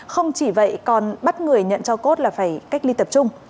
không chỉ vậy còn bắt người nhận cho cốt là phải cách ly tập trung